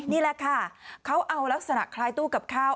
นี่แหละค่ะเขาเอาลักษณะคล้ายตู้กับข้าว